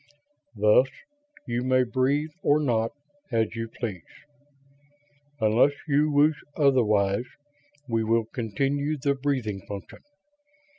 Thus, you may breathe or not, as you please. Unless you wish otherwise, we will continue the breathing function.